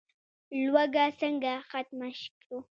لوږه څنګه ختمه کړو؟